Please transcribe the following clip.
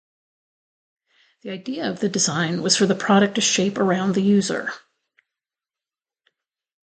The idea of the design was for the product to shape around the user.